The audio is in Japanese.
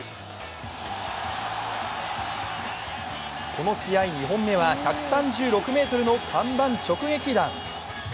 この試合２本目は１３６ｍの看板直撃弾。